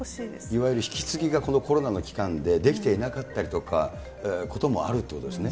いわゆる引き継ぎがこのコロナの期間でできていなかったりとか、ということもあるということですね。